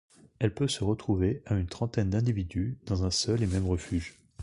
Elle peut se retrouver à une trentaine d'individus dans un seul et même refuge.